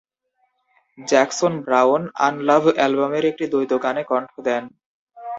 Jackson Browne "Unlove" অ্যালবামের একটি দ্বৈত গানে কণ্ঠ দেন।